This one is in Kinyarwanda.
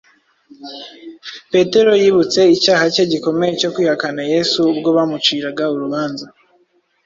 Petero yibutse icyaha cye gikomeye cyo kwihakana Yesu ubwo bamuciraga urubanza.